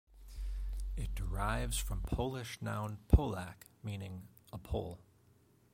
It derives from Polish noun "Polak", meaning a Pole.